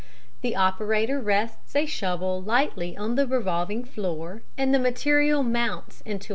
The operator rests a shovel lightly on the revolving floor, and the material mounts into a heap upon it.